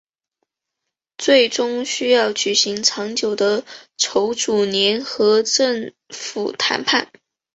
最终需要举行长久的筹组联合政府谈判。